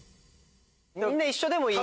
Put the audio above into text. みんな一緒でもいい！